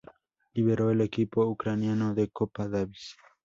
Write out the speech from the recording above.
Lideró el equipo ucraniano de Copa Davis.